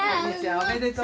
おめでとう。